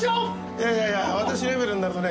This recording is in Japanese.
いやいやいや私レベルになるとね